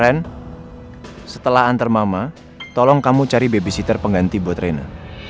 ren setelah antar mama tolong kamu cari babysitter pengganti buat rena